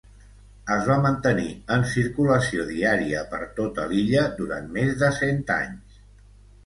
Es va mantenir en circulació diària per tota l'illa durant més de cent anys.